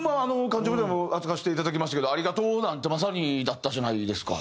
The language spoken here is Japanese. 『関ジャム』でも扱わせていただきましたけど『ありがとう』なんてまさにだったじゃないですか。